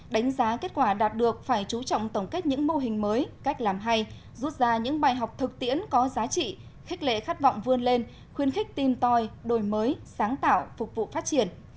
đánh giá kết quả đạt được phải chú trọng tổng kết những mô hình mới cách làm hay rút ra những bài học thực tiễn có giá trị khích lệ khát vọng vươn lên khuyên khích tim toi đổi mới sáng tạo phục vụ phát triển